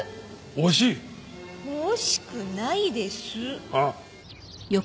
惜しくないです。